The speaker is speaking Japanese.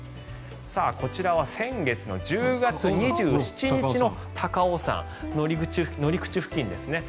こちらは先月の１０月２７日の高尾山の乗り口付近ですね。